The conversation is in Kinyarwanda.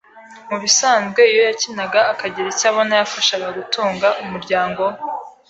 mu bisanzwe iyo yakinaga akagira icyo abona yafashaga gutunga umuryango we